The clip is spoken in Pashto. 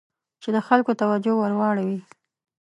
چې د خلکو توجه ور واړوي.